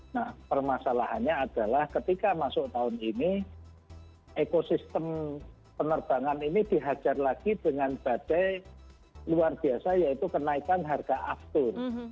nah permasalahannya adalah ketika masuk tahun ini ekosistem penerbangan ini dihajar lagi dengan badai luar biasa yaitu kenaikan harga aftur